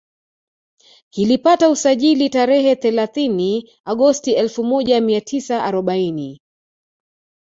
Kilipata usajili tarehe thealathini Agosti elfu moja mia tisa arobaini